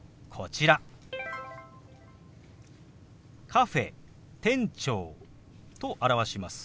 「カフェ」「店長」と表します。